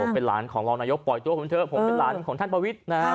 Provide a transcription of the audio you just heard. เป็นหลานของรองนายกปล่อยตัวผมเถอะผมเป็นหลานของท่านประวิทย์นะฮะ